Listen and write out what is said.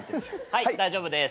はい大丈夫です。